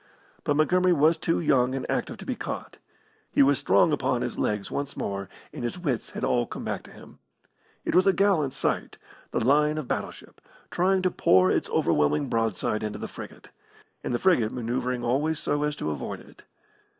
But Montgomery was too young and active to be caught. He was strong upon his legs once more, and his wits had all come back to him. It was a gallant sight the line of battleship trying to pour its overwhelming broadside into the frigate, and the frigate manoeuvring always so as to avoid it.